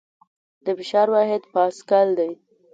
د فشار واحد پاسکل دی.